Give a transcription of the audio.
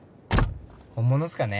本物っすかね？